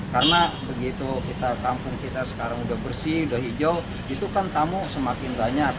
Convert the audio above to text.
karena begitu kita kampung kita sekarang udah bersih udah hijau itu kan tamu semakin banyak